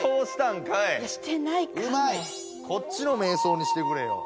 こっちの「瞑想」にしてくれよ。